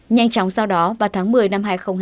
nhanh chóng sau đó vào tháng một mươi năm hai nghìn hai mươi